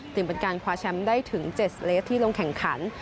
เป็นการคว้าแชมป์ได้ถึง๗สเลสที่ลงแข่งขัน